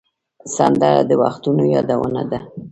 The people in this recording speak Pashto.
سندره د وختونو یادونه ده